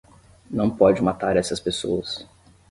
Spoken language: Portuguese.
Não pode matar essas pessoas